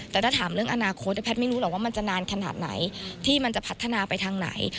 แต่ถ้าถามเรื่องอนาคตแพทย์ไม่รู้หรอกว่ามันจะนานขนาดไหนที่มันจะพัฒนาไปทางไหน